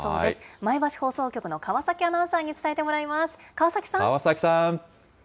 前橋放送局の川崎アナウンサーに伝えてもらいます。